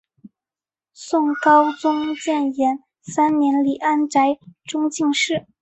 宋高宗建炎二年林安宅中进士。